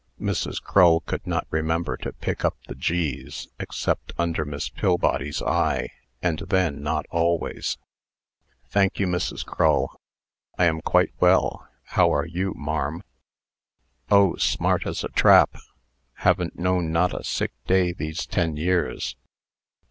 (Mrs. Crull could not remember to pick up the "g's," except under Miss Pillbody's eye, and then not always.) "Thank you, Mrs. Crull; I am quite well. How are you, marm?" "Oh! smart as a trap. Haven't known not a sick day these ten years."